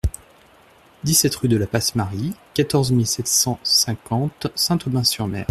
dix-sept rue de la Passe Mary, quatorze mille sept cent cinquante Saint-Aubin-sur-Mer